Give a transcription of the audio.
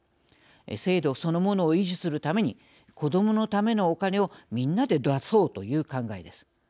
制度そのものを維持するために子どものためのお金をみんなで出そうという考えです。